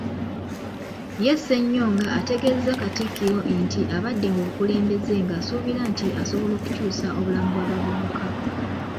Ye Ssenyonga ategeezezza Katikkiro nti abadde mu bukulembeze ng'asuubira nti asobola okukyusa obulamu bw'abavubuka.